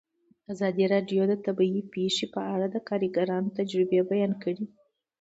ازادي راډیو د طبیعي پېښې په اړه د کارګرانو تجربې بیان کړي.